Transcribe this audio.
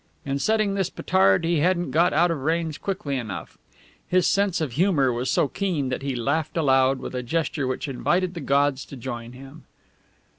In setting this petard he hadn't got out of range quickly enough. His sense of humour was so keen that he laughed aloud, with a gesture which invited the gods to join him.